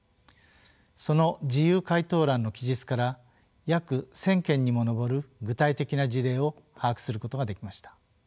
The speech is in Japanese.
その自由回答欄の記述から約１，０００件にも上る具体的な事例を把握することができました。